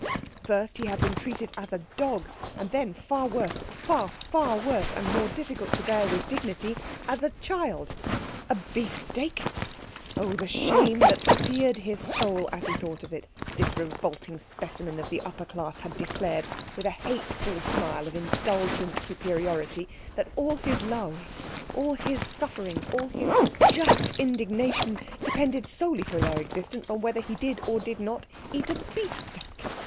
First he had been treated as a dog, and then, far worse, far, far worse and more difficult to bear with dignity, as a child. A beefsteak? Oh, the shame that seared his soul as he thought of it! This revolting specimen of the upper class had declared, with a hateful smile of indulgent superiority, that all his love, all his sufferings, all his just indignation, depended solely for their existence on whether he did or did not eat a beefsteak.